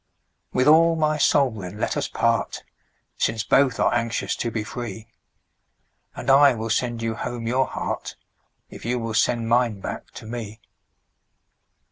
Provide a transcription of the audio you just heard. With all my soul, then, let us part, Since both are anxious to be free; And I will sand you home your heart, If you will send mine back to me.